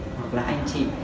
hoặc là anh chị